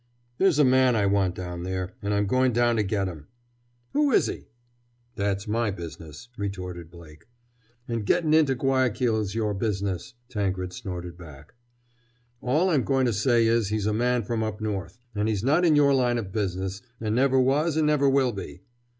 "There's a man I want down there, and I'm going down to get him!" "Who is he?" "That's my business," retorted Blake. "And gettin' into Guayaquil's your business!" Tankred snorted back. "All I'm going to say is he's a man from up North—and he's not in your line of business, and never was and never will be!"